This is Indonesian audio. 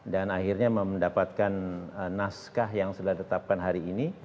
dan akhirnya mendapatkan naskah yang sudah ditetapkan hari ini